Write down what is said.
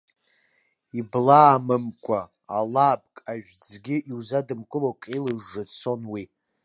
Иблаамымкәа, алаапк ажәӡгьы иузадымкыло, акы илжжы дцон уи.